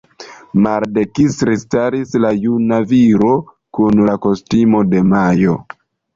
Maldekstre staris la "Juna Viro kun kostumo de majo".